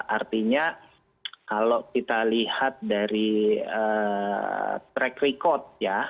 artinya kalau kita lihat dari track record ya